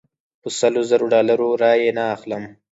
په سلو زرو ډالرو رایې نه اخلم.